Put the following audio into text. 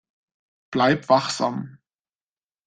Bleib wachsam.